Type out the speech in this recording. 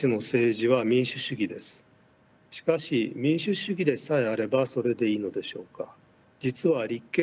しかし民主主義でさえあればそれでいいのでしょうか。